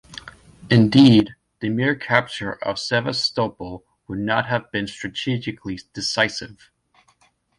Indeed, the mere capture of Sevastopol would not have been strategically decisive.